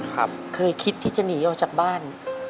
เคยคิดที่จะหนีออกจากบ้าน